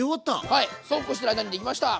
はいそうこうしてる間にできました！